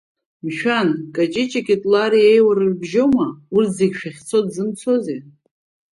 Мшәан, каҷыҷи Кьытлари еиуара рыбжьоума, урҭ зегьы шәахьцо дзымцозеи?